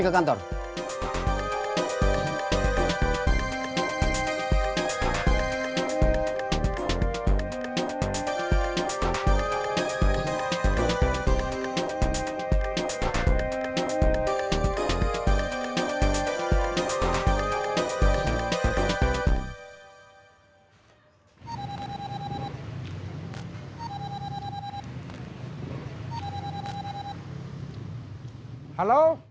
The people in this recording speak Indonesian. akang kebetulan pukul